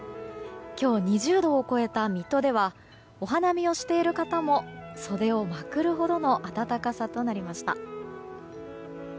今日２０度を超えた水戸ではお花見をしている方も袖をまくるほどの暖かさとなりました。